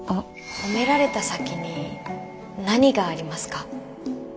褒められた先に何がありますか？